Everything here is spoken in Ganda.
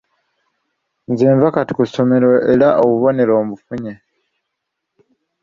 Nze nva kati ku ssomero era obubonero mbufunye.